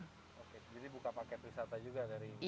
jadi buka paket wisata juga dari ini